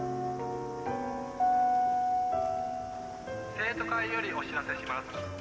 ・「生徒会よりお知らせします。